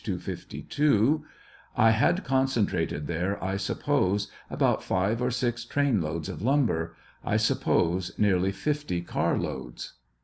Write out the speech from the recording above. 252 :) I had concentrated there, I suppose, about five or six train loads of lumber ; I suppose nearly 50 car loads.